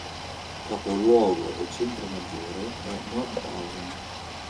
Capoluogo e centro maggiore è Nordhausen.